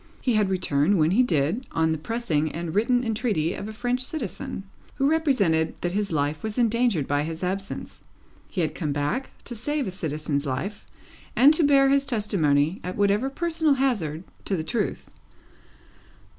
He had returned when he did, on the pressing and written entreaty of a French citizen, who represented that his life was endangered by his absence. He had come back, to save a citizen's life, and to bear his testimony, at whatever personal hazard, to the truth.